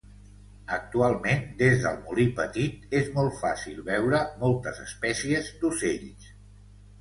Actualment, des del Molí Petit és molt fàcil veure moltes espècies d'ocells.